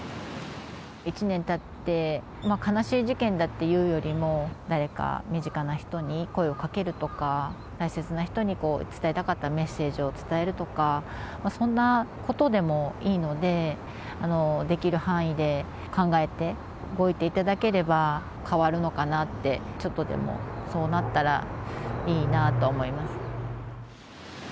１年たって、悲しい事件だっていうよりも、誰か身近な人に声をかけるとか、大切な人に伝えたかったメッセージを伝えるとか、そんなことでもいいので、できる範囲で考えて動いていただければ、変わるのかなって、ちょっとでもそうなったらいいなと思います。